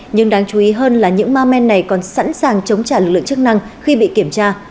nhưng đáng chú ý hơn là những ma men này còn sẵn sàng chống trả lực lượng chức năng khi bị kiểm tra